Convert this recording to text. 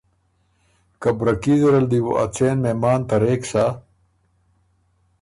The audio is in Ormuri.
که برکي زر ال دی بو ا څېن مهمان ترېک سَۀ